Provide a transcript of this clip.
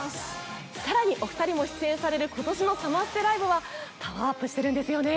更にお二人も出演される今年のサマステライブはパワーアップしてるんですよね。